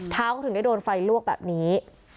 เท้าเขาถึงได้โดนไฟลวกแบบนี้